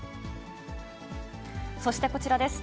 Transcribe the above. そしてこちらです。